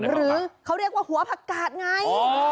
หรือเขาเรียกว่าหัวผักกาดไง